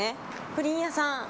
プリン屋さん。